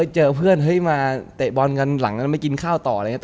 เจอเพื่อนเฮ้ยมาเตะบอลกันหลังนั้นไม่กินข้าวต่ออะไรอย่างนี้